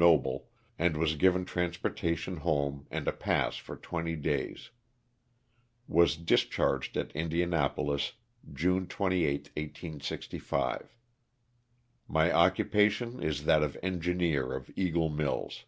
Noble, and was given transportation home and a pass for twenty days. Was discharged at Indian apolis June 28, 1865. My occupation is that of engineer of Eagle Mills.